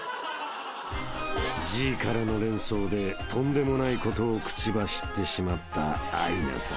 ［Ｇからの連想でとんでもないことを口走ってしまったアイナさん］